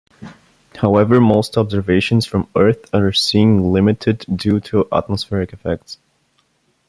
However, most observations from Earth are seeing-limited due to atmospheric effects.